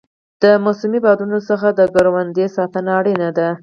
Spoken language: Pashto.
د موسمي بادونو څخه د کروندې ساتنه اړینه ده.